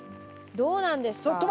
どうなんですか？